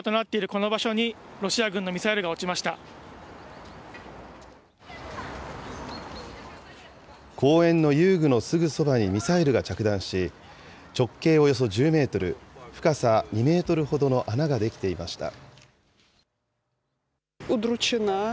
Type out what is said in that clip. この場所にロシア軍のミサイルが落ち公園の遊具のすぐそばにミサイルが着弾し、直径およそ１０メートル、深さ２メートルほどの穴が出来ていました。